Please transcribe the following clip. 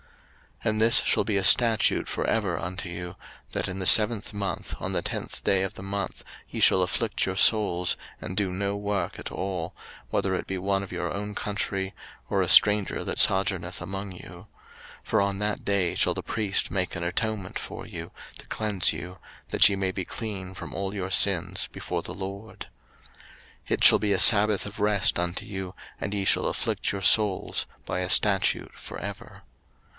03:016:029 And this shall be a statute for ever unto you: that in the seventh month, on the tenth day of the month, ye shall afflict your souls, and do no work at all, whether it be one of your own country, or a stranger that sojourneth among you: 03:016:030 For on that day shall the priest make an atonement for you, to cleanse you, that ye may be clean from all your sins before the LORD. 03:016:031 It shall be a sabbath of rest unto you, and ye shall afflict your souls, by a statute for ever.